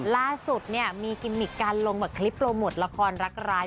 ล่าสุดเนี่ยมีกิมมิกการลงแบบคลิปโปรโมทละครรักร้าย